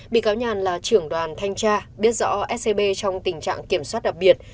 bị cáo nhàn là trưởng đoàn thanh tra biết rõ scb trong tình trạng kiểm soát đặc biệt